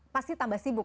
pasti tambah sibuk